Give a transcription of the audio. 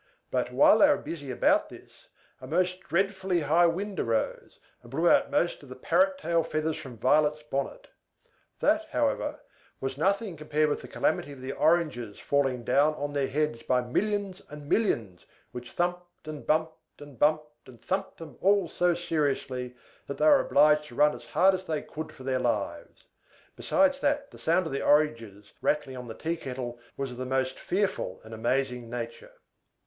But, while they were busy about this, a most dreadfully high wind rose, and blew out most of the parrot tail feathers from Violet's bonnet. That, however, was nothing compared with the calamity of the oranges falling down on their heads by millions and millions, which thumped and bumped and bumped and thumped them all so seriously, that they were obliged to run as hard as they could for their lives; besides that the sound of the oranges rattling on the tea kettle was of the most fearful and amazing nature.